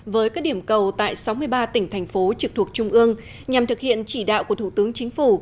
với các điểm cầu tại sáu mươi ba tỉnh thành phố trực thuộc trung ương nhằm thực hiện chỉ đạo của thủ tướng chính phủ